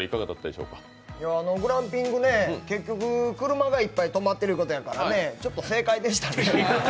グランピング、結局車がいっぱい止まっているところですからちょっと正解でしたね。